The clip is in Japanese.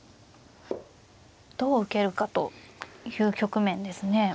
どう受けるかという局面ですね。